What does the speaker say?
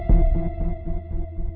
saya yang menang